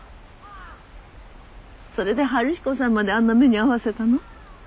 それで春彦さんまであんな目に遭わせたの？